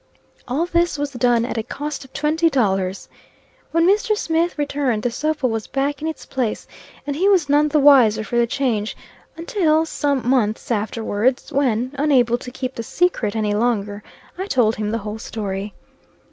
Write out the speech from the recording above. All this was done, at a cost of twenty dollars. When Mr. Smith returned, the sofa was back in its place; and he was none the wiser for the change, until some months afterwards, when, unable to keep the secret any longer, I told him the whole story.